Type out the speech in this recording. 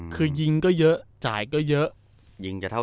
คือยิงก็เยอะจ่ายก็เยอะ